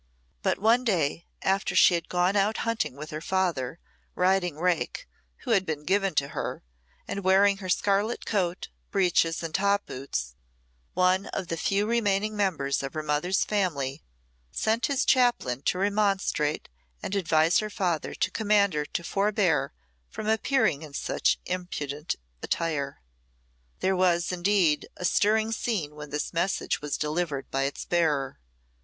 But one day, after she had gone out hunting with her father, riding Rake, who had been given to her, and wearing her scarlet coat, breeches, and top boots, one of the few remaining members of her mother's family sent his chaplain to remonstrate and advise her father to command her to forbear from appearing in such impudent attire. There was, indeed, a stirring scene when this message was delivered by its bearer.